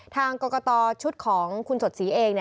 ทางกรกตชุดของคุณจดศรีเอง